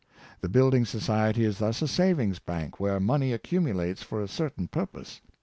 The building society is thus a savings bank, w^here money accumulates for a certain purpose.